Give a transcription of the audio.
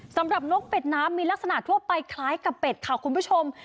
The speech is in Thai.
นกเป็ดน้ำมีลักษณะทั่วไปคล้ายกับเป็ดค่ะคุณผู้ชม